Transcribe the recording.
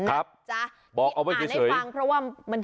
อ่านให้ฟังเพราะว่า